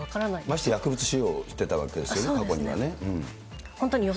まして薬物使用してたわけですよね、過去にはね。